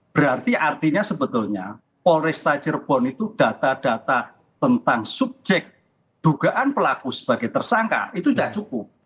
berarti artinya sebetulnya polresta cirebon itu data data tentang subjek dugaan pelaku sebagai tersangka itu tidak cukup